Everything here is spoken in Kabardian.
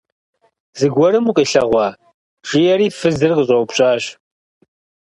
Зыгуэрым укъилъэгъуа? – жиӀэри фызыр къыщӀэупщӀащ.